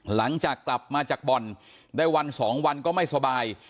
หลังจากกลับมาจากบ่อนได้วันสองวันก็ไม่สบาย